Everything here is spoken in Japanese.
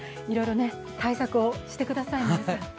いろいろ対策をしてください、皆さん。